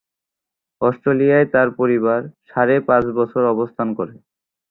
অস্ট্রেলিয়ায় তার পরিবার সাড়ে পাঁচ বছর অবস্থান করে।